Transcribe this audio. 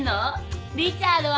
リチャードは？